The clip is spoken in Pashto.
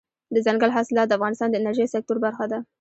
دځنګل حاصلات د افغانستان د انرژۍ سکتور برخه ده.